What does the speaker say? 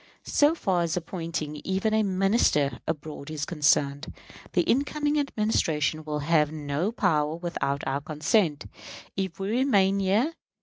So far as appointing even a Minister abroad is concerned, the incoming Administration will have no power without our consent, if we remain here.